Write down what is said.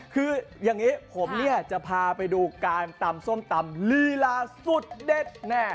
คือยังงี้ผมจะพาไปดูการตำส้มตำเรล่าสุดเด็ดแน่